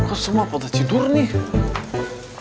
kok semua pada tidur nih